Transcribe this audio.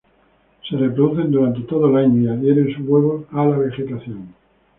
Se reproducen durante todo el año, y adhieren sus huevos a la vegetación.